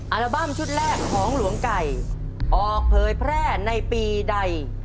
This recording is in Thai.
อัลบั้มชุดแรกของหลวงไก่ออกเผยแพร่ในปีใด